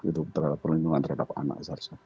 gitu terhadap perlindungan terhadap anak saya rasa